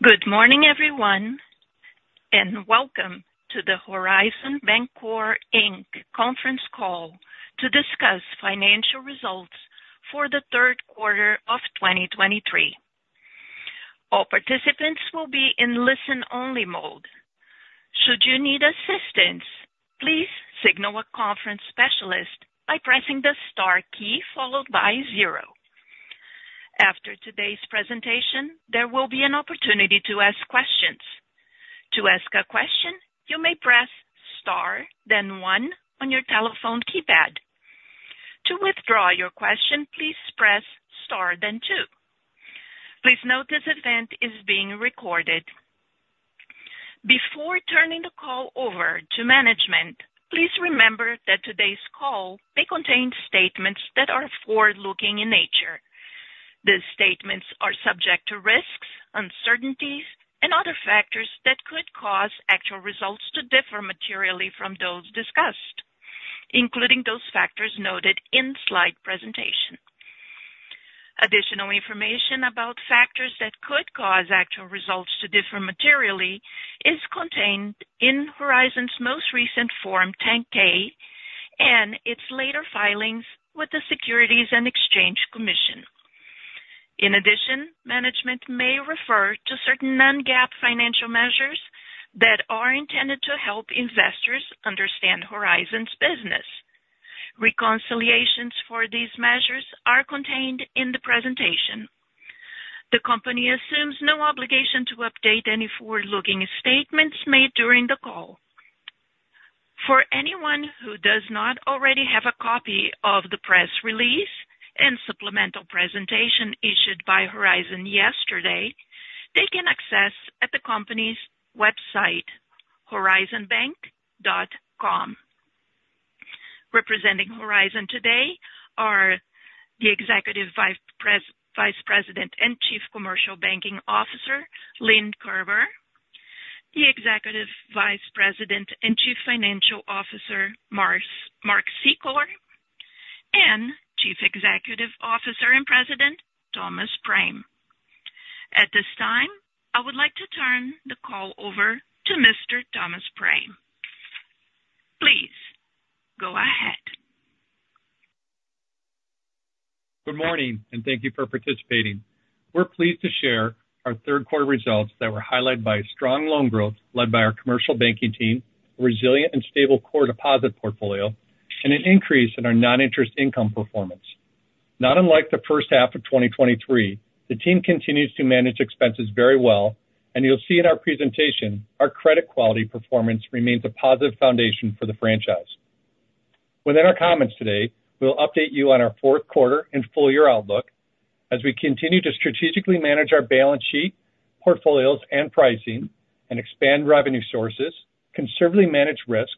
Good morning, everyone, and welcome to the Horizon Bancorp, Inc. conference call to discuss financial results for the third quarter of 2023. All participants will be in listen-only mode. Should you need assistance, please signal a conference specialist by pressing the star key followed by zero. After today's presentation, there will be an opportunity to ask questions. To ask a question, you may press star, then one on your telephone keypad. To withdraw your question, please press star, then two. Please note this event is being recorded. Before turning the call over to management, please remember that today's call may contain statements that are forward-looking in nature. These statements are subject to risks, uncertainties, and other factors that could cause actual results to differ materially from those discussed, including those factors noted in slide presentation. Additional information about factors that could cause actual results to differ materially is contained in Horizon's most recent Form 10-K and its later filings with the Securities and Exchange Commission. In addition, management may refer to certain non-GAAP financial measures that are intended to help investors understand Horizon's business. Reconciliations for these measures are contained in the presentation. The company assumes no obligation to update any forward-looking statements made during the call. For anyone who does not already have a copy of the press release and supplemental presentation issued by Horizon yesterday, they can access at the company's website, horizonbank.com. Representing Horizon today are the Executive Vice President and Chief Commercial Banking Officer, Lynn Kerber, the Executive Vice President and Chief Financial Officer, Mark Secor, and Chief Executive Officer and President, Thomas Prame. At this time, I would like to turn the call over to Mr. Thomas Prame. Please go ahead. Good morning, and thank you for participating. We're pleased to share our third quarter results that were highlighted by strong loan growth led by our commercial banking team, resilient and stable core deposit portfolio, and an increase in our non-interest income performance. Not unlike the first half of 2023, the team continues to manage expenses very well, and you'll see in our presentation, our credit quality performance remains a positive foundation for the franchise. Within our comments today, we'll update you on our fourth quarter and full-year outlook as we continue to strategically manage our balance sheet, portfolios and pricing, and expand revenue sources, conservatively manage risk,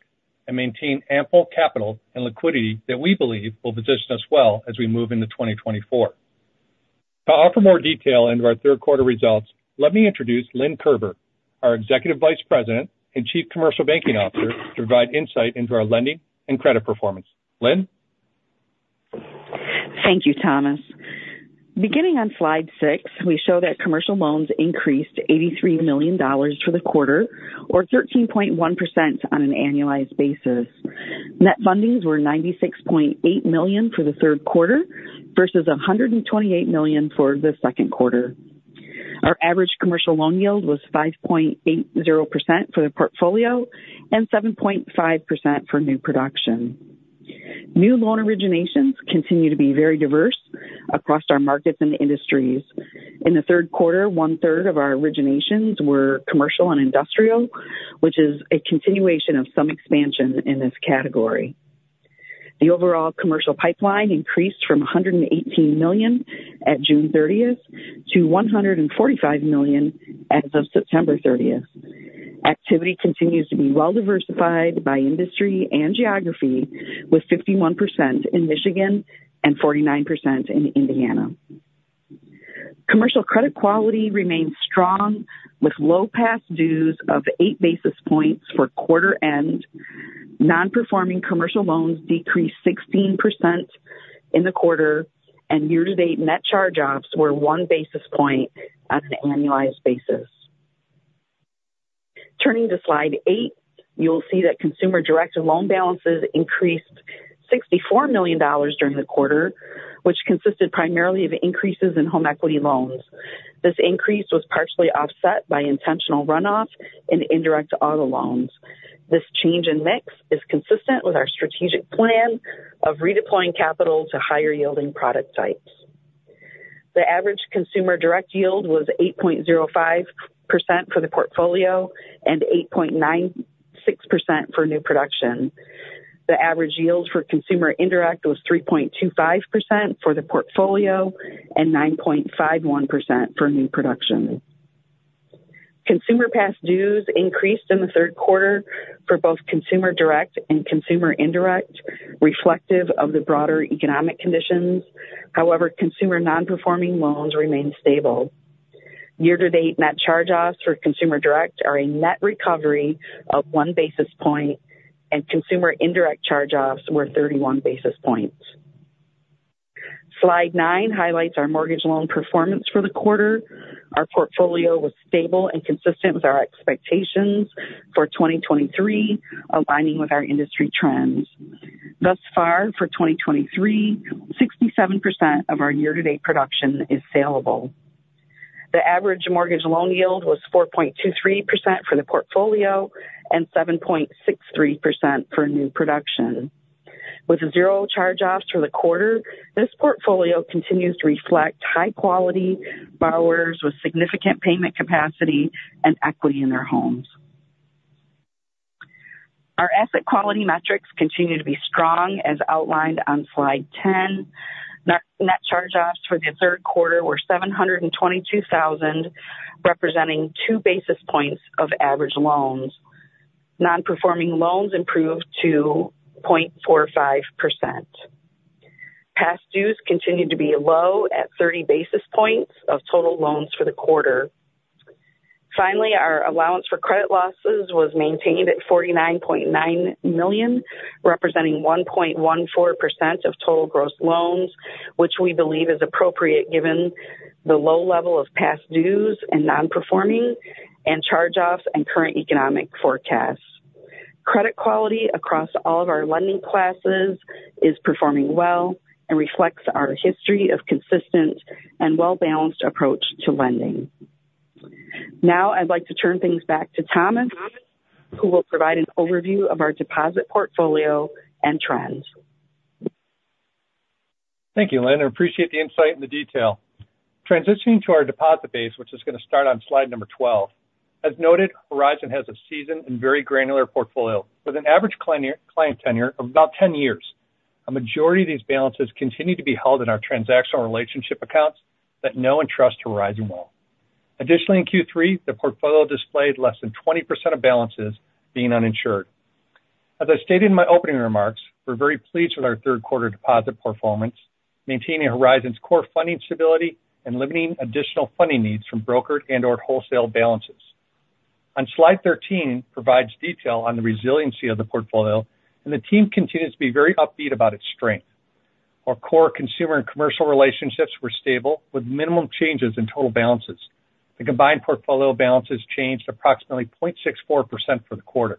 and maintain ample capital and liquidity that we believe will position us well as we move into 2024. To offer more detail into our third quarter results, let me introduce Lynn Kerber, our Executive Vice President and Chief Commercial Banking Officer, to provide insight into our lending and credit performance. Lynn? Thank you, Thomas. Beginning on slide six, we show that commercial loans increased $83 million for the quarter or 13.1% on an annualized basis. Net fundings were $96.8 million for the third quarter versus $128 million for the second quarter. Our average commercial loan yield was 5.80% for the portfolio and 7.5% for new production. New loan originations continue to be very diverse across our markets and industries. In the third quarter, 1/3 of our originations were commercial and industrial, which is a continuation of some expansion in this category. The overall commercial pipeline increased from $118 million at June 30th to $145 million as of September 30th. Activity continues to be well diversified by industry and geography, with 51% in Michigan and 49% in Indiana. Commercial credit quality remains strong, with low past dues of 8 basis points for quarter end. Non-performing commercial loans decreased 16% in the quarter, and year-to-date net charge-offs were 1 basis point on an annualized basis. Turning to slide eight, you'll see that consumer direct loan balances increased $64 million during the quarter, which consisted primarily of increases in home equity loans. This increase was partially offset by intentional runoff and indirect auto loans. This change in mix is consistent with our strategic plan of redeploying capital to higher-yielding product types. The average consumer direct yield was 8.05% for the portfolio and 8.96% for new production. The average yield for consumer indirect was 3.25% for the portfolio and 9.51% for new production. Consumer past dues increased in the third quarter for both consumer direct and consumer indirect, reflective of the broader economic conditions. However, consumer non-performing loans remained stable. Year-to-date net charge-offs for consumer direct are a net recovery of 1 basis point, and consumer indirect charge-offs were 31 basis points. Slide nine highlights our mortgage loan performance for the quarter. Our portfolio was stable and consistent with our expectations for 2023, aligning with our industry trends. Thus far, for 2023, 67% of our year-to-date production is salable. The average mortgage loan yield was 4.23% for the portfolio and 7.63% for new production. With zero charge-offs for the quarter, this portfolio continues to reflect high-quality borrowers with significant payment capacity and equity in their homes. Our asset quality metrics continue to be strong as outlined on slide 10. Net charge-offs for the third quarter were $722,000, representing 2 basis points of average loans. Non-performing loans improved to 0.45%. Past dues continued to be low at 30 basis points of total loans for the quarter. Finally, our allowance for credit losses was maintained at $49.9 million, representing 1.14% of total gross loans, which we believe is appropriate given the low level of past dues and non-performing and charge-offs and current economic forecasts. Credit quality across all of our lending classes is performing well and reflects our history of consistent and well-balanced approach to lending. Now, I'd like to turn things back to Thomas, who will provide an overview of our deposit portfolio and trends. Thank you, Lynn. I appreciate the insight and the detail. Transitioning to our deposit base, which is going to start on slide number 12. As noted, Horizon has a seasoned and very granular portfolio, with an average client tenure of about 10 years. A majority of these balances continue to be held in our transactional relationship accounts that know and trust Horizon well. Additionally, in Q3, the portfolio displayed less than 20% of balances being uninsured. As I stated in my opening remarks, we're very pleased with our third quarter deposit performance, maintaining Horizon's core funding stability and limiting additional funding needs from brokered and/or wholesale balances. On slide 13, provides detail on the resiliency of the portfolio, and the team continues to be very upbeat about its strength. Our core consumer and commercial relationships were stable, with minimum changes in total balances. The combined portfolio balances changed approximately 0.64% for the quarter.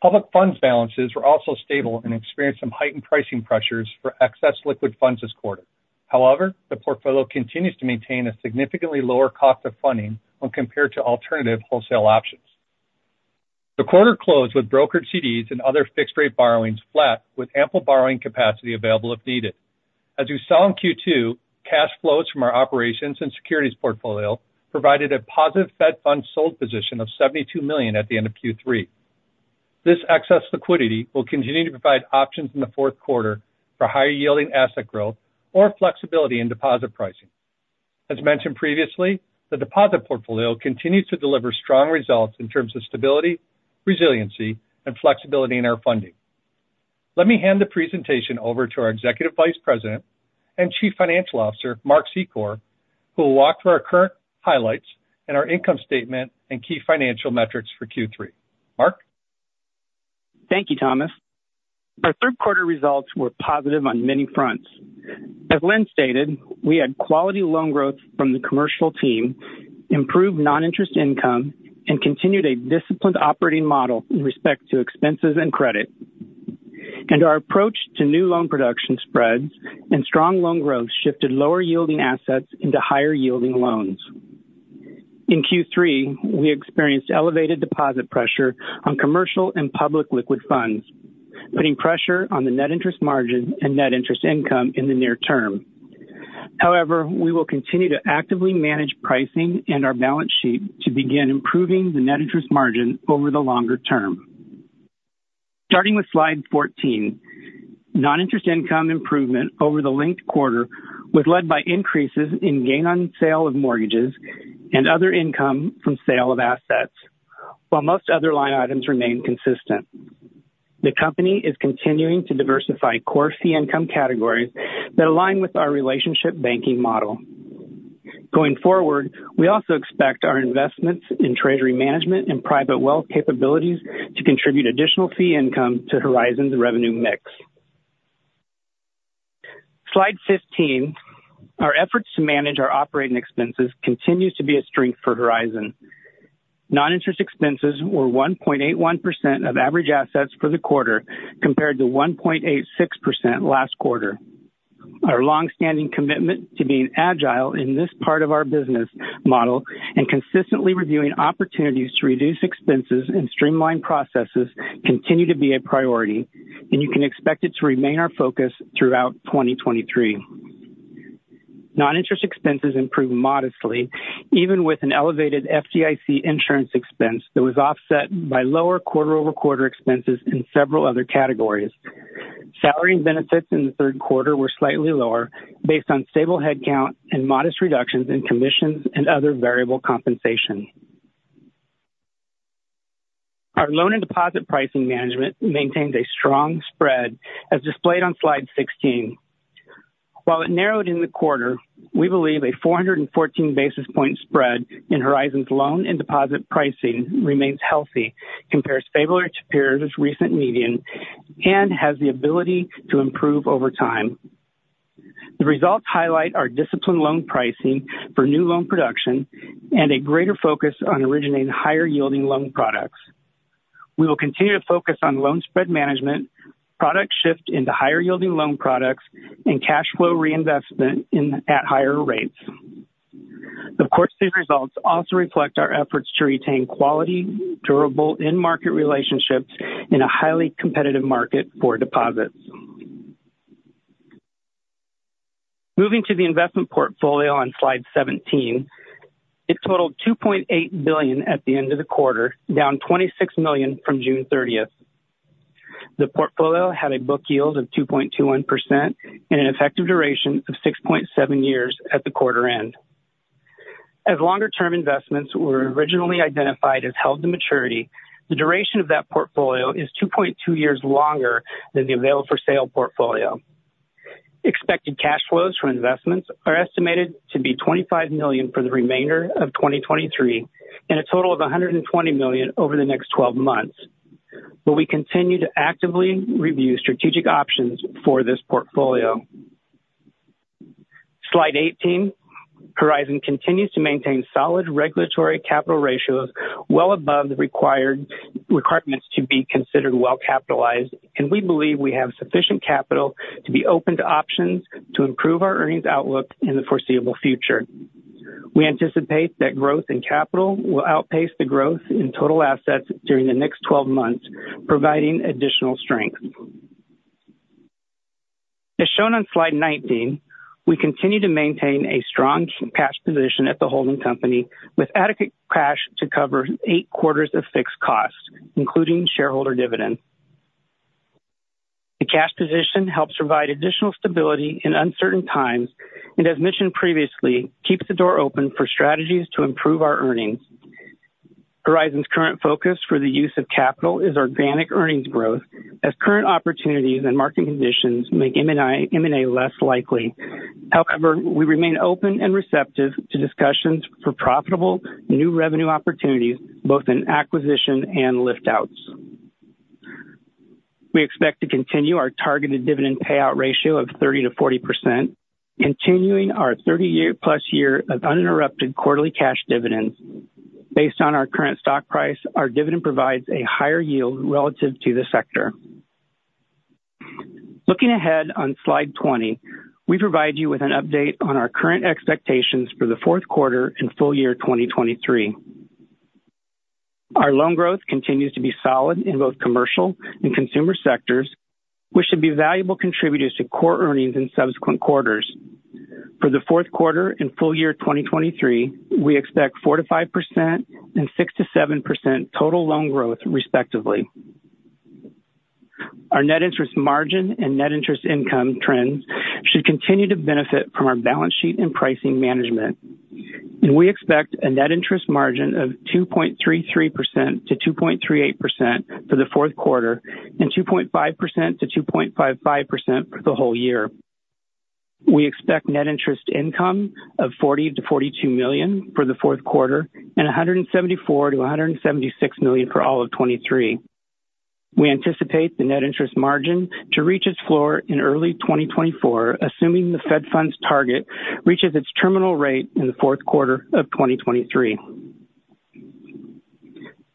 Public funds balances were also stable and experienced some heightened pricing pressures for excess liquid funds this quarter. However, the portfolio continues to maintain a significantly lower cost of funding when compared to alternative wholesale options. The quarter closed with brokered CDs and other fixed-rate borrowings flat, with ample borrowing capacity available if needed. As we saw in Q2, cash flows from our operations and securities portfolio provided a positive Fed Funds sold position of $72 million at the end of Q3. This excess liquidity will continue to provide options in the fourth quarter for higher-yielding asset growth or flexibility in deposit pricing. As mentioned previously, the deposit portfolio continues to deliver strong results in terms of stability, resiliency, and flexibility in our funding. Let me hand the presentation over to our Executive Vice President and Chief Financial Officer, Mark Secor, who will walk through our current highlights and our income statement and key financial metrics for Q3. Mark? Thank you, Thomas. Our third quarter results were positive on many fronts. As Lynn stated, we had quality loan growth from the commercial team, improved non-interest income, and continued a disciplined operating model in respect to expenses and credit. Our approach to new loan production spreads and strong loan growth shifted lower yielding assets into higher-yielding loans. In Q3, we experienced elevated deposit pressure on commercial and public liquid funds, putting pressure on the net interest margin and net interest income in the near term. However, we will continue to actively manage pricing and our balance sheet to begin improving the net interest margin over the longer term. Starting with slide 14, non-interest income improvement over the linked quarter was led by increases in gain on sale of mortgages and other income from sale of assets, while most other line items remained consistent. The company is continuing to diversify core fee income categories that align with our relationship banking model. Going forward, we also expect our investments in treasury management and private wealth capabilities to contribute additional fee income to Horizon's revenue mix. Slide 15, our efforts to manage our operating expenses continues to be a strength for Horizon. Non-interest expenses were 1.81% of average assets for the quarter, compared to 1.86% last quarter. Our long-standing commitment to being agile in this part of our business model and consistently reviewing opportunities to reduce expenses and streamline processes continue to be a priority, and you can expect it to remain our focus throughout 2023. Non-interest expenses improved modestly, even with an elevated FDIC insurance expense that was offset by lower quarter-over-quarter expenses in several other categories. Salary and benefits in the third quarter were slightly lower, based on stable headcount and modest reductions in commissions and other variable compensation. Our loan and deposit pricing management maintains a strong spread, as displayed on slide 16. While it narrowed in the quarter, we believe a 414-basis point spread in Horizon's loan and deposit pricing remains healthy, compares favorably to peers' recent median, and has the ability to improve over time. The results highlight our disciplined loan pricing for new loan production and a greater focus on originating higher-yielding loan products. We will continue to focus on loan spread management, product shift into higher-yielding loan products, and cash flow reinvestment in at higher rates. Of course, these results also reflect our efforts to retain quality, durable in-market relationships in a highly competitive market for deposits. Moving to the investment portfolio on slide 17, it totaled $2.8 billion at the end of the quarter, down $26 million from June 30th. The portfolio had a book yield of 2.21% and an effective duration of 6.7 years at the quarter end. As longer term investments were originally identified as held to maturity, the duration of that portfolio is 2.2 years longer than the available for sale portfolio. Expected cash flows from investments are estimated to be $25 million for the remainder of 2023 and a total of $120 million over the next 12 months, but we continue to actively review strategic options for this portfolio. Slide 18. Horizon continues to maintain solid regulatory capital ratios well above the required requirements to be considered well capitalized, and we believe we have sufficient capital to be open to options to improve our earnings outlook in the foreseeable future. We anticipate that growth in capital will outpace the growth in total assets during the next 12 months, providing additional strength. As shown on slide 19, we continue to maintain a strong cash position at the holding company, with adequate cash to cover eight quarters of fixed costs, including shareholder dividend. The cash position helps provide additional stability in uncertain times, and as mentioned previously, keeps the door open for strategies to improve our earnings. Horizon's current focus for the use of capital is organic earnings growth, as current opportunities and market conditions make M&A less likely. However, we remain open and receptive to discussions for profitable new revenue opportunities, both in acquisition and lift-outs. We expect to continue our targeted dividend payout ratio of 30%-40%, continuing our 30+ years of uninterrupted quarterly cash dividends. Based on our current stock price, our dividend provides a higher yield relative to the sector. Looking ahead on slide 20, we provide you with an update on our current expectations for the fourth quarter and full year 2023. Our loan growth continues to be solid in both commercial and consumer sectors, which should be valuable contributors to core earnings in subsequent quarters. For the fourth quarter and full year 2023, we expect 4%-5% and 6%-7% total loan growth, respectively. Our net interest margin and net interest income trends should continue to benefit from our balance sheet and pricing management, and we expect a net interest margin of 2.33%-2.38% for the fourth quarter and 2.5%-2.55% for the whole year. We expect net interest income of $40 million-$42 million for the fourth quarter and $174 million-$176 million for all of 2023. We anticipate the net interest margin to reach its floor in early 2024, assuming the Fed Funds target reaches its terminal rate in the fourth quarter of 2023.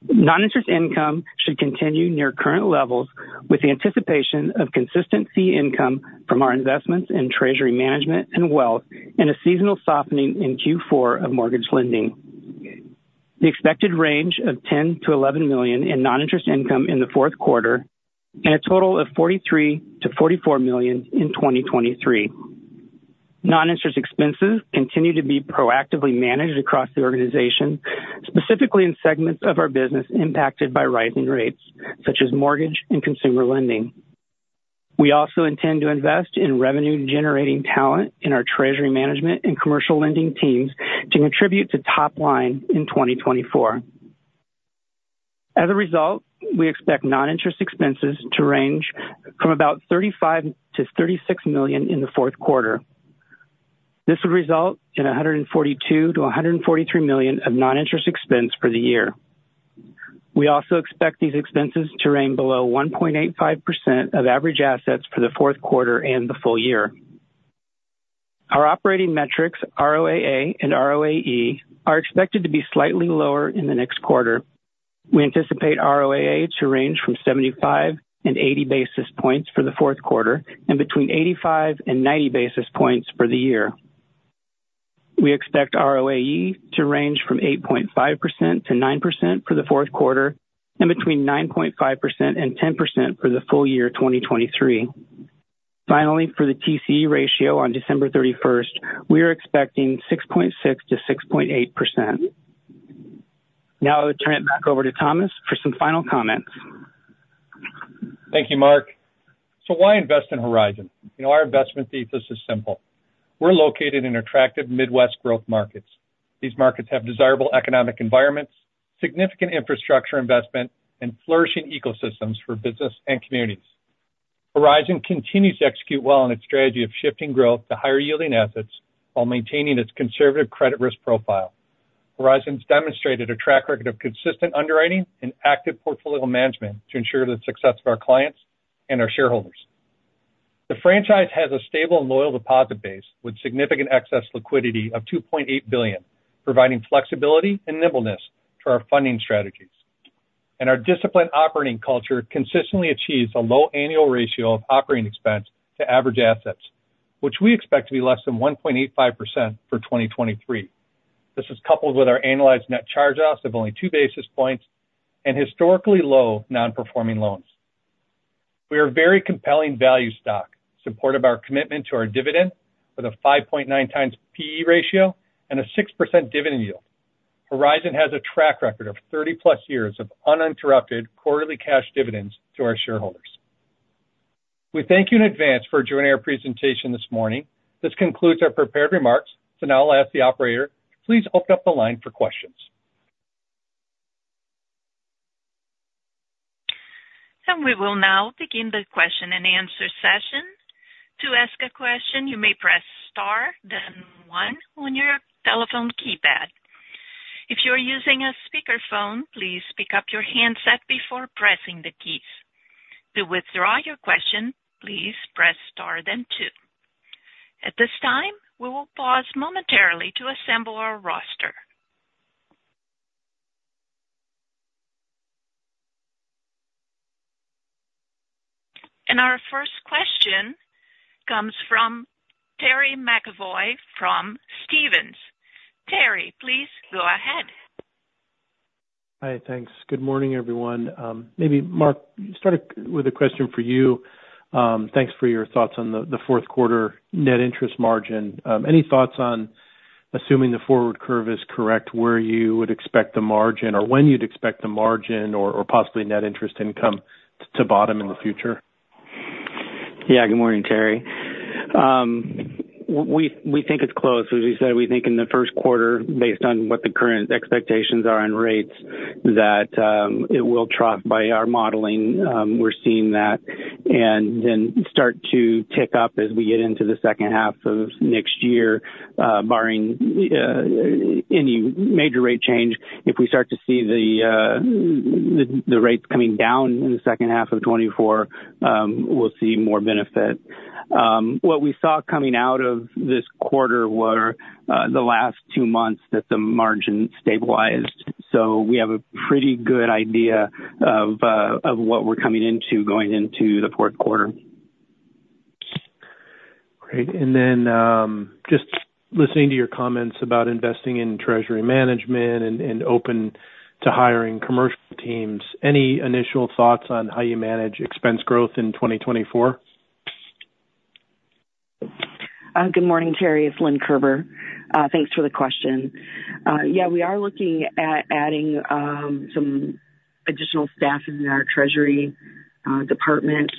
Non-interest income should continue near current levels, with the anticipation of consistent fee income from our investments in treasury management and wealth, and a seasonal softening in Q4 of mortgage lending. The expected range of $10 million-$11 million in non-interest income in the fourth quarter and a total of $43 million-$44 million in 2023. Non-interest expenses continue to be proactively managed across the organization, specifically in segments of our business impacted by rising rates, such as mortgage and consumer lending. We also intend to invest in revenue-generating talent in our treasury management and commercial lending teams to contribute to top line in 2024. As a result, we expect non-interest expenses to range from about $35 million-$36 million in the fourth quarter. This will result in $142 million-$143 million of non-interest expense for the year. We also expect these expenses to remain below 1.85% of average assets for the fourth quarter and the full year. Our operating metrics, ROAA and ROAE, are expected to be slightly lower in the next quarter. We anticipate ROAA to range from 75 basis points-80 basis points for the fourth quarter and between 85 basis points-90 basis points for the year. We expect ROAE to range from 8.5%-9% for the fourth quarter and between 9.5%-10% for the full year 2023. Finally, for the TCE ratio on December 31st, we are expecting 6.6%-6.8%. Now I will turn it back over to Thomas for some final comments. Thank you, Mark. So why invest in Horizon? You know, our investment thesis is simple. We're located in attractive Midwest growth markets. These markets have desirable economic environments, significant infrastructure investment, and flourishing ecosystems for business and communities. Horizon continues to execute well on its strategy of shifting growth to higher-yielding assets while maintaining its conservative credit risk profile. Horizon's demonstrated a track record of consistent underwriting and active portfolio management to ensure the success of our clients and our shareholders. The franchise has a stable and loyal deposit base with significant excess liquidity of $2.8 billion, providing flexibility and nimbleness to our funding strategies. And our disciplined operating culture consistently achieves a low annual ratio of operating expense to average assets, which we expect to be less than 1.85% for 2023. This is coupled with our annualized net charge-offs of only 2 basis points and historically low non-performing loans. We are a very compelling value stock, supporting our commitment to our dividend with a 5.9x P/E ratio and a 6% dividend yield. Horizon has a track record of 30+ years of uninterrupted quarterly cash dividends to our shareholders. We thank you in advance for joining our presentation this morning. This concludes our prepared remarks. So now I'll ask the operator to please open up the line for questions. We will now begin the question-and-answer session. To ask a question, you may press star, then one on your telephone keypad. If you are using a speakerphone, please pick up your handset before pressing the keys. To withdraw your question, please press star, then two. At this time, we will pause momentarily to assemble our roster. Our first question comes from Terry McEvoy from Stephens. Terry, please go ahead. Hi. Thanks. Good morning, everyone. Maybe, Mark, start with a question for you. Thanks for your thoughts on the fourth quarter net interest margin. Any thoughts on assuming the forward curve is correct, where you would expect the margin or when you'd expect the margin or, or possibly net interest income to bottom in the future? Yeah, good morning, Terry. We think it's close. As you said, we think in the first quarter, based on what the current expectations are on rates, that it will trough by our modeling. We're seeing that and then start to tick up as we get into the second half of next year, barring any major rate change. If we start to see the rates coming down in the second half of 2024, we'll see more benefit. What we saw coming out of this quarter were the last two months that the margin stabilized. So we have a pretty good idea of what we're coming into going into the fourth quarter. Great. Then, just listening to your comments about investing in treasury management and open to hiring commercial teams, any initial thoughts on how you manage expense growth in 2024? Good morning, Terry. It's Lynn Kerber. Thanks for the question. Yeah, we are looking at adding some additional staff in our treasury department.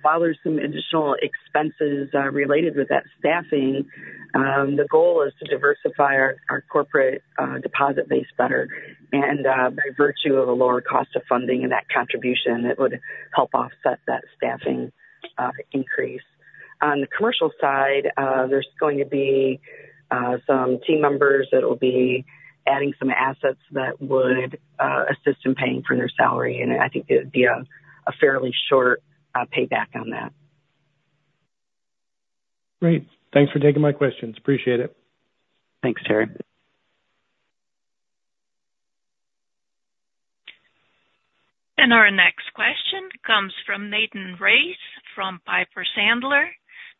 While there's some additional expenses related with that staffing, the goal is to diversify our corporate deposit base better. And, by virtue of a lower cost of funding and that contribution, it would help offset that staffing increase. On the commercial side, there's going to be some team members that will be adding some assets that would assist in paying for their salary, and I think it would be a fairly short payback on that. Great. Thanks for taking my questions. Appreciate it. Thanks, Terry. Our next question comes from Nathan Race from Piper Sandler.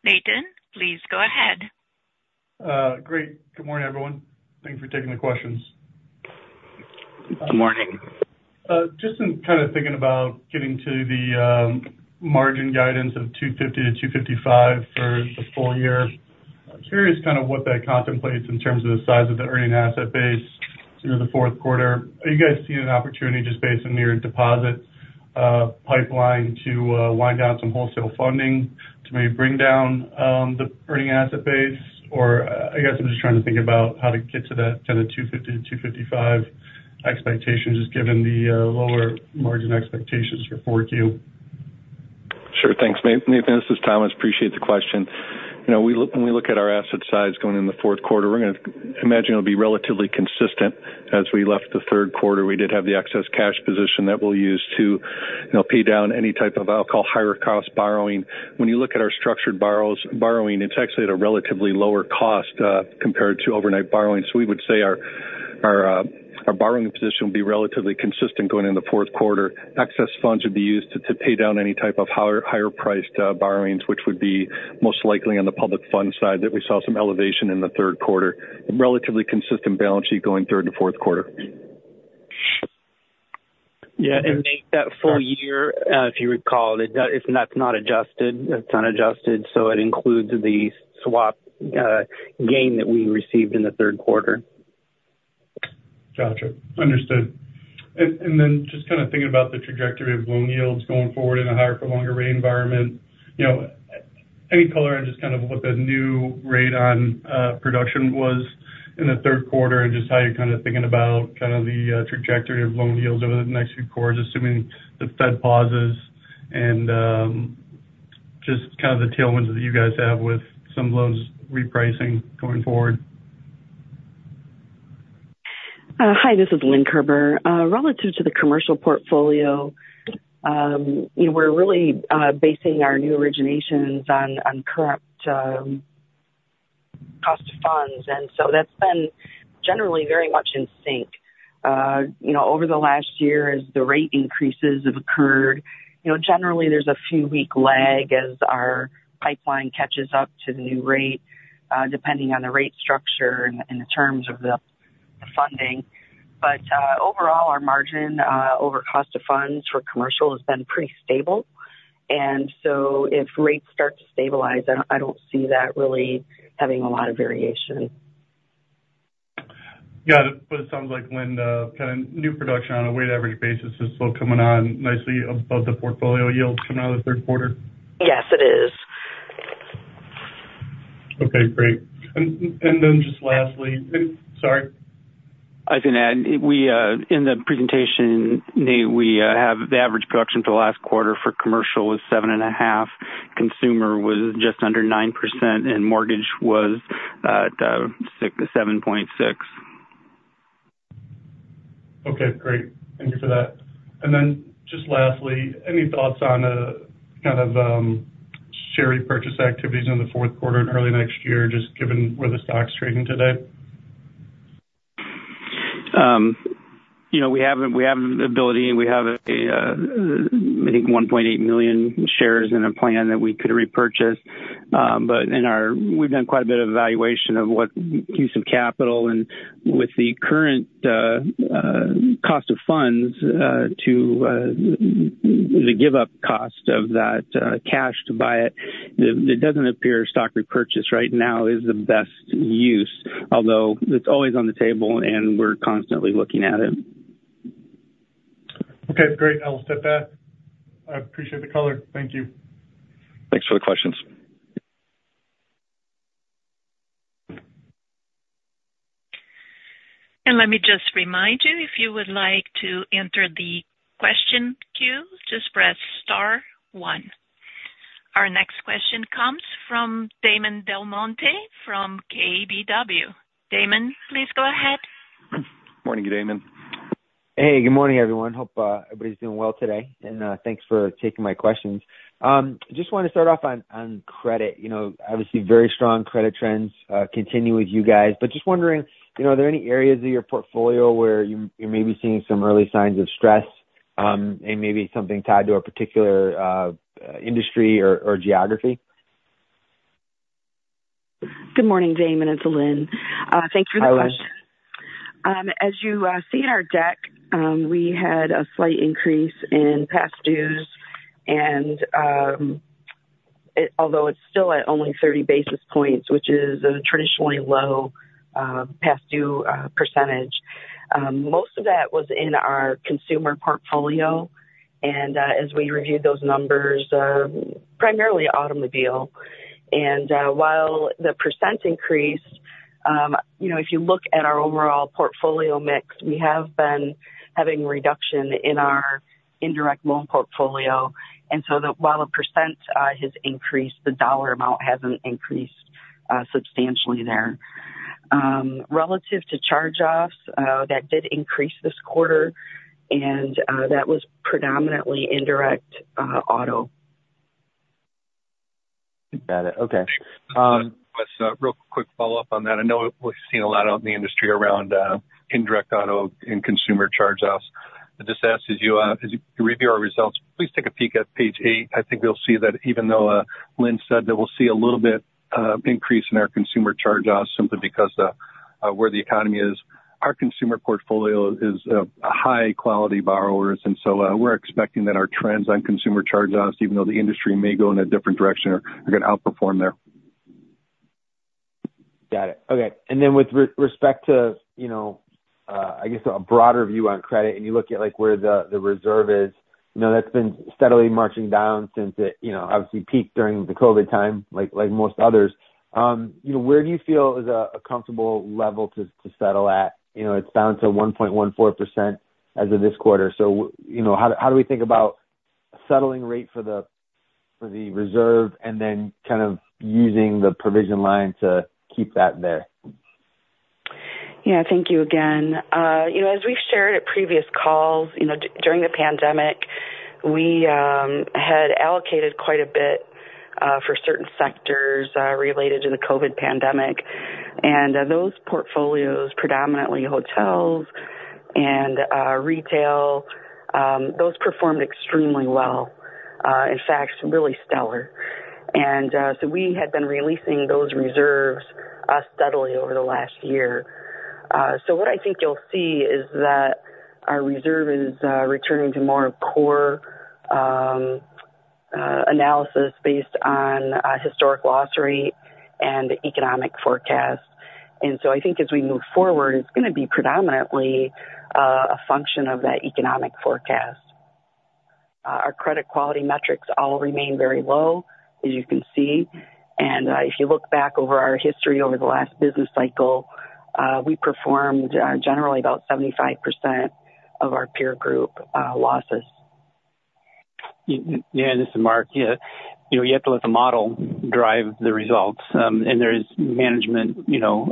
Nathan, please go ahead. Great. Good morning, everyone. Thank you for taking the questions. Good morning. Just in kind of thinking about getting to the margin guidance of 2.50%-2.55% for the full year. Curious kind of what that contemplates in terms of the size of the earning asset base through the fourth quarter. Are you guys seeing an opportunity just based on your deposit pipeline to wind down some wholesale funding to maybe bring down the earning asset base? Or I guess I'm just trying to think about how to get to that kind of 2.50%-2.55% expectations, just given the lower margin expectations for 4Q. Sure. Thanks, Nathan. This is Thomas. Appreciate the question. You know, when we look at our asset size going in the fourth quarter, we're gonna imagine it'll be relatively consistent. As we left the third quarter, we did have the excess cash position that we'll use to, you know, pay down any type of, I'll call, higher-cost borrowing. When you look at our structured borrowing, it's actually at a relatively lower cost, compared to overnight borrowing. So we would say our borrowing position will be relatively consistent going in the fourth quarter. Excess funds would be used to pay down any type of higher-priced borrowings, which would be most likely on the public funds side, that we saw some elevation in the third quarter. Relatively consistent balance sheet going third and fourth quarter. Yeah, and Nate, that full year, if you recall, it, that's not adjusted. It's unadjusted, so it includes the swap gain that we received in the third quarter. Gotcha. Understood. And then just kind of thinking about the trajectory of loan yields going forward in a higher-for-longer rate environment. You know, any color on just kind of what the new rate on production was in the third quarter, and just how you're kind of thinking about kind of the trajectory of loan yields over the next few quarters, assuming the Fed pauses and just kind of the tailwinds that you guys have with some loans repricing going forward? Hi, this is Lynn Kerber. Relative to the commercial portfolio, we're really basing our new originations on current cost of funds, and so that's been generally very much in sync. You know, over the last year, as the rate increases have occurred, you know, generally there's a few weeks lag as our pipeline catches up to the new rate, depending on the rate structure and the terms of the funding. But overall, our margin over cost of funds for commercial has been pretty stable. And so if rates start to stabilize, I don't see that really having a lot of variation. Got it. But it sounds like when the kind of new production on a weighted average basis is still coming on nicely above the portfolio yields coming out of the third quarter? Yes, it is. Okay, great. And then just lastly, and sorry. I can add. We, in the presentation, Nate, we have the average production for the last quarter for commercial was 7.5%, consumer was just under 9%, and mortgage was at 7.6%. Okay, great. Thank you for that. And then just lastly, any thoughts on, kind of, share repurchase activities in the fourth quarter and early next year, just given where the stock's trading today? You know, we have, we have the ability. We have a, I think, 1.8 million shares in a plan that we could repurchase. But in our—we've done quite a bit of evaluation of what use of capital and with the current cost of funds to the give up cost of that cash to buy it, it doesn't appear stock repurchase right now is the best use, although it's always on the table and we're constantly looking at it. Okay, great. I'll step back. I appreciate the color. Thank you. Thanks for the questions. Let me just remind you, if you would like to enter the question queue, just press star one. Our next question comes from Damon DelMonte from KBW. Damon, please go ahead. Morning, Damon. Hey, good morning, everyone. Hope everybody's doing well today, and thanks for taking my questions. Just want to start off on credit. You know, obviously very strong credit trends continue with you guys, but just wondering, you know, are there any areas of your portfolio where you may be seeing some early signs of stress, and maybe something tied to a particular industry or geography? Good morning, Damon, it's Lynn. Thanks for the question. Hi, Lynn. As you see in our deck, we had a slight increase in past dues and, although it's still at only 30 basis points, which is a traditionally low, past due, percentage. Most of that was in our consumer portfolio, and, as we reviewed those numbers, primarily automobile. And, while the percent increased, you know, if you look at our overall portfolio mix, we have been having reduction in our indirect loan portfolio, and so while the percent has increased, the dollar amount hasn't increased, substantially there. Relative to charge-offs, that did increase this quarter, and, that was predominantly indirect, auto. Got it. Okay. Just a real quick follow-up on that. I know we've seen a lot out in the industry around indirect auto and consumer charge-offs. I'll just ask you, as you review our results, please take a peek at page eight. I think you'll see that even though Lynn said that we'll see a little bit increase in our consumer charge-offs simply because of where the economy is. Our consumer portfolio is a high-quality borrowers, and so we're expecting that our trends on consumer charge-offs, even though the industry may go in a different direction, are going to outperform there. Got it. Okay. And then with respect to, you know, I guess, a broader view on credit, and you look at, like, where the reserve is, you know, that's been steadily marching down since it, you know, obviously peaked during the COVID time, like most others. You know, where do you feel is a comfortable level to settle at? You know, it's down to 1.14% as of this quarter. So, you know, how do we think about settling rate for the reserve and then kind of using the provision line to keep that there? Yeah. Thank you again. You know, as we've shared at previous calls, you know, during the pandemic, we had allocated quite a bit for certain sectors related to the COVID pandemic. And those portfolios, predominantly hotels and retail, those performed extremely well. In fact, really stellar. And so we had been releasing those reserves steadily over the last year. So what I think you'll see is that our reserve is returning to more core analysis based on, historic loss rate and economic forecast. And so I think as we move forward, it's going to be predominantly, a function of that economic forecast. Our credit quality metrics all remain very low, as you can see. And, if you look back over our history over the last business cycle, we performed, generally about 75% of our peer group, losses. Yeah, this is Mark. Yeah. You know, you have to let the model drive the results, and there is management, you know,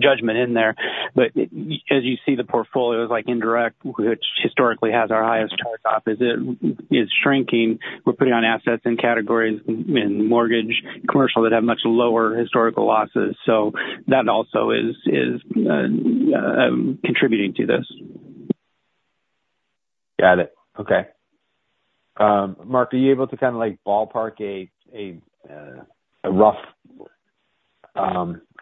judgment in there. But as you see the portfolios, like indirect, which historically has our highest charge-off, is shrinking. We're putting on assets in categories in mortgage, commercial, that have much lower historical losses. So that also is contributing to this. Got it. Okay. Mark, are you able to kind of, like, ballpark a rough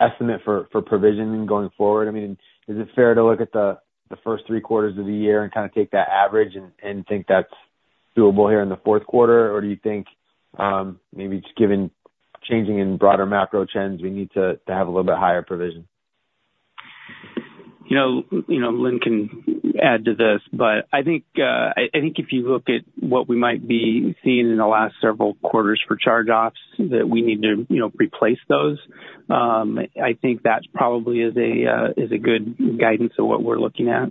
estimate for provisioning going forward? I mean, is it fair to look at the first three quarters of the year and kind of take that average and think that's doable here in the fourth quarter? Or do you think, maybe just given changing in broader macro trends, we need to have a little bit higher provision? You know, Lynn can add to this, but I think if you look at what we might be seeing in the last several quarters for charge-offs, that we need to, you know, replace those. I think that probably is a good guidance of what we're looking at.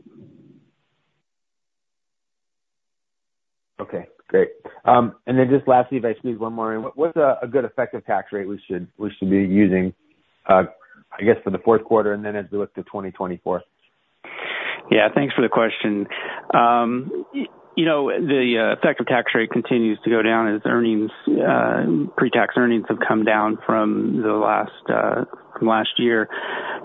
Okay, great. And then just lastly, if I just need one more in, what's a good effective tax rate we should be using, I guess, for the fourth quarter, and then as we look to 2024? Yeah, thanks for the question. You know, the effective tax rate continues to go down as earnings, pre-tax earnings have come down from the last, from last year.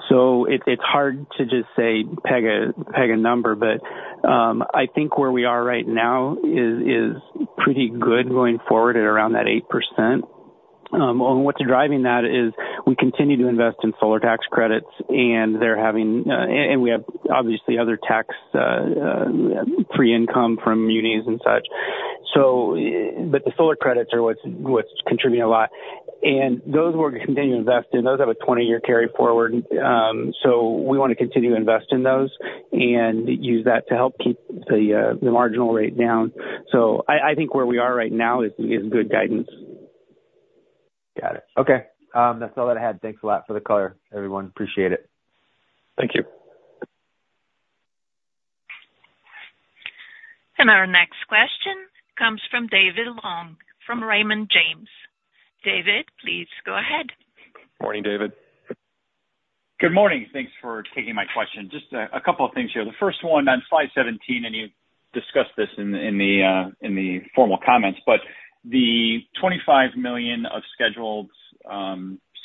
So it's hard to just say, peg a number, but I think where we are right now is pretty good going forward at around that 8%. What's driving that is we continue to invest in solar tax credits, and they're having and we have obviously other tax-free income from munis and such. So but the solar credits are what's contributing a lot, and those we're going to continue to invest in. Those have a 20-year carry forward. So we want to continue to invest in those and use that to help keep the marginal rate down. So I think where we are right now is good guidance. Got it. Okay. That's all I had. Thanks a lot for the color, everyone. Appreciate it. Thank you. Our next question comes from David Long, from Raymond James. David, please go ahead. Morning, David. Good morning. Thanks for taking my question. Just a couple of things here. The first one, on slide 17, and you discussed this in the formal comments, but the $25 million of scheduled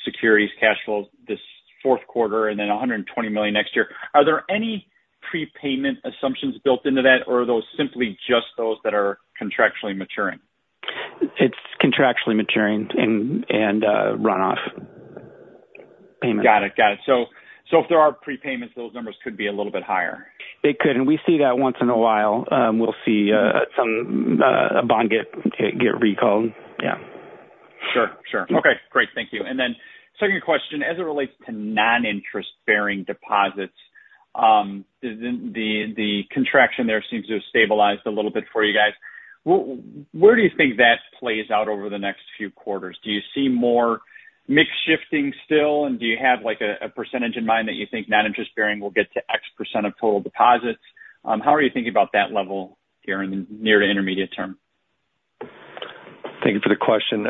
securities cash flows this fourth quarter and then a $120 million next year, are there any prepayment assumptions built into that, or are those simply just those that are contractually maturing? It's contractually maturing and runoff payments. Got it. Got it. So, so if there are prepayments, those numbers could be a little bit higher? They could, and we see that once in a while. We'll see some, a bond get recalled. Yeah. Sure, sure. Okay, great. Thank you. And then second question, as it relates to non-interest-bearing deposits, the contraction there seems to have stabilized a little bit for you guys. Where do you think that plays out over the next few quarters? Do you see more mix shifting still, and do you have, like, a percentage in mind that you think non-interest-bearing will get to X percent of total deposits? How are you thinking about that level here in the near to intermediate term? Thank you for the question.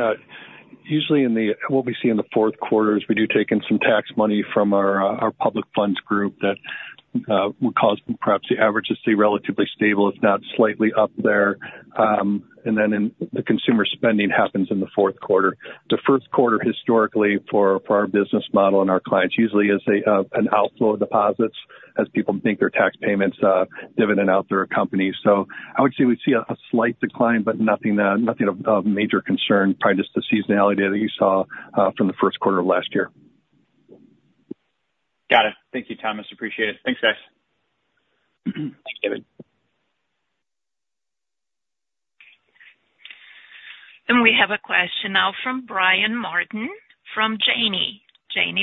Usually, what we see in the fourth quarter is we do take in some tax money from our public funds group that would cause perhaps the average to stay relatively stable, if not slightly up there. And then the consumer spending happens in the fourth quarter. The first quarter, historically, for our business model and our clients usually is an outflow of deposits as people make their tax payments, dividend out through our company. So I would say we see a slight decline, but nothing of major concern, probably just the seasonality that you saw from the first quarter of last year. Got it. Thank you, Thomas. Appreciate it. Thanks, guys. Thanks, David. We have a question now from Brian Martin from Janney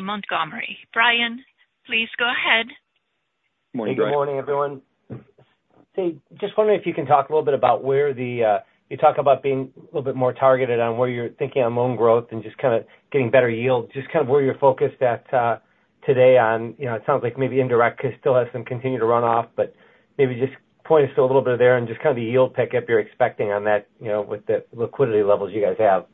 Montgomery. Brian, please go ahead. Morning, Brian. Good morning, everyone. Hey, just wondering if you can talk a little bit about where the you talk about being a little bit more targeted on where you're thinking on loan growth and just kind of getting better yield, just kind of where you're focused at today on. You know, it sounds like maybe indirect still has some continued to run off, but maybe just point us to a little bit of there and just kind of the yield pickup you're expecting on that, you know, with the liquidity levels you guys have.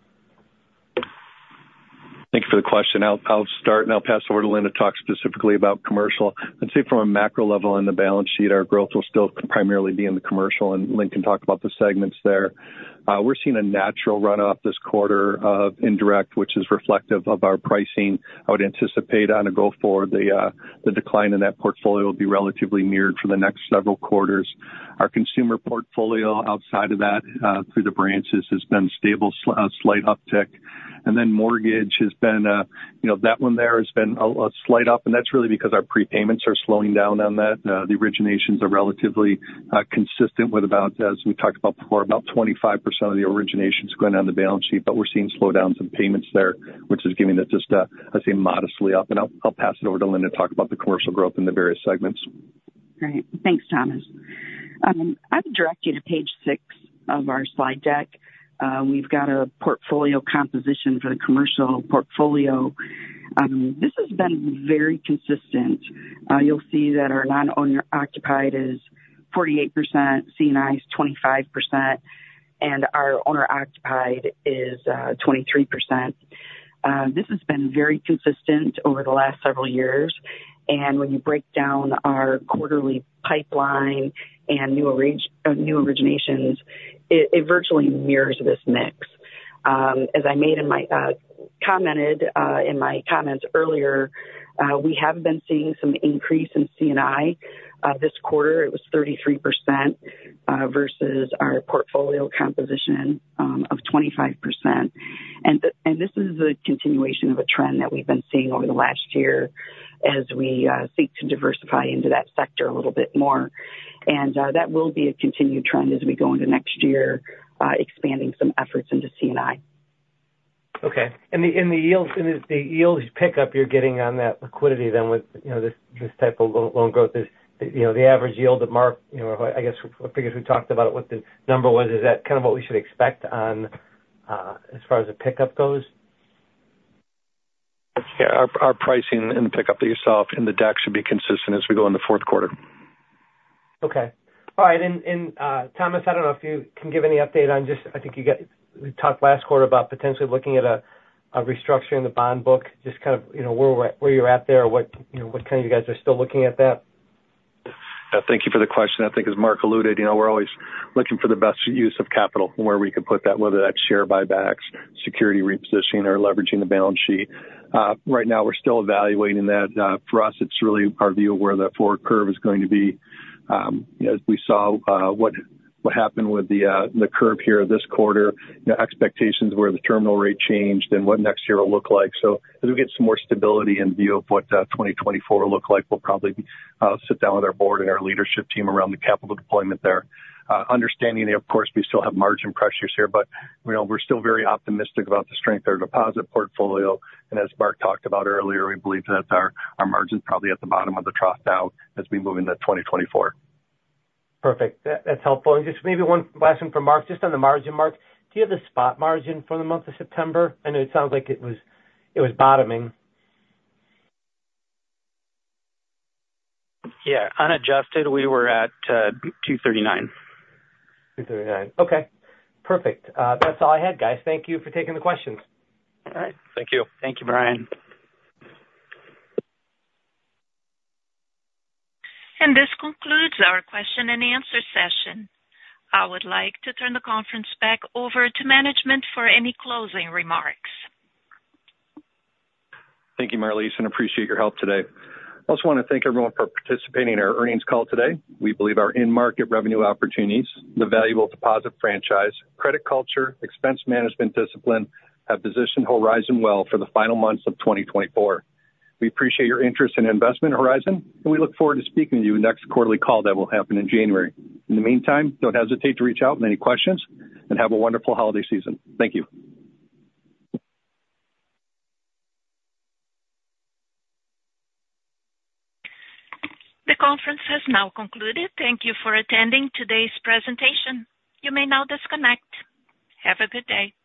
Thank you for the question. I'll start and I'll pass it over to Lynn to talk specifically about commercial. I'd say from a macro level on the balance sheet, our growth will still primarily be in the commercial, and Lynn can talk about the segments there. We're seeing a natural run-off this quarter of indirect, which is reflective of our pricing. I would anticipate on a go-forward, the decline in that portfolio will be relatively mirrored for the next several quarters. Our consumer portfolio outside of that, through the branches, has been stable, slight uptick, and then mortgage has been, you know, that one there has been a slight up, and that's really because our prepayments are slowing down on that. The originations are relatively consistent with about, as we talked about before, about 25% of the originations going on the balance sheet, but we're seeing slowdowns in payments there, which is giving it just a, I'd say, modestly up. And I'll, I'll pass it over to Lynn to talk about the commercial growth in the various segments. Great. Thanks, Thomas. I would direct you to page six of our slide deck. We've got a portfolio composition for the commercial portfolio. This has been very consistent. You'll see that our non-owner occupied is 48%, C&I is 25%, and our owner-occupied is 23%. This has been very consistent over the last several years, and when you break down our quarterly pipeline and new originations, it virtually mirrors this mix. As I mentioned in my comments earlier, we have been seeing some increase in C&I. This quarter, it was 33% versus our portfolio composition of 25%. This is a continuation of a trend that we've been seeing over the last year as we seek to diversify into that sector a little bit more. That will be a continued trend as we go into next year, expanding some efforts into C&I. Okay. And the yields pickup you're getting on that liquidity then with, you know, this type of loan growth is, you know, the average yield that Mark, you know, I guess I figured we talked about what the number was. Is that kind of what we should expect on as far as the pickup goes? Yeah. Our pricing and the pickup that you saw in the deck should be consistent as we go in the fourth quarter. Okay. All right. Thomas, I don't know if you can give any update on just—I think we talked last quarter about potentially looking at a restructuring the bond book, just kind of, you know, where we're at, where you're at there, what, you know, what kind of you guys are still looking at that? Thank you for the question. I think as Mark alluded, you know, we're always looking for the best use of capital, where we can put that, whether that's share buybacks, security repositioning or leveraging the balance sheet. Right now, we're still evaluating that. For us, it's really our view of where the forward curve is going to be. As we saw, what happened with the curve here this quarter, the expectations where the terminal rate changed and what next year will look like. So as we get some more stability in view of what 2024 look like, we'll probably sit down with our board and our leadership team around the capital deployment there. Understanding, of course, we still have margin pressures here, but, you know, we're still very optimistic about the strength of our deposit portfolio, and as Mark talked about earlier, we believe that our, our margin is probably at the bottom of the trough now as we move into 2024. Perfect. That, that's helpful. And just maybe one last one for Mark. Just on the margin, Mark, do you have the spot margin for the month of September? I know it sounds like it was, it was bottoming. Yeah. Unadjusted, we were at 2.39%. Okay, 2.39%. Okay, perfect. That's all I had, guys. Thank you for taking the questions. All right. Thank you. Thank you, Brian. This concludes our question and answer session. I would like to turn the conference back over to management for any closing remarks. Thank you, Marlise, and appreciate your help today. I also want to thank everyone for participating in our earnings call today. We believe our in-market revenue opportunities, the valuable deposit franchise, credit culture, expense management discipline, have positioned Horizon well for the final months of 2024. We appreciate your interest in investment Horizon, and we look forward to speaking to you next quarterly call that will happen in January. In the meantime, don't hesitate to reach out with any questions, and have a wonderful holiday season. Thank you. The conference has now concluded. Thank you for attending today's presentation. You may now disconnect. Have a good day.